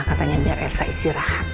katanya biar elsa istirahat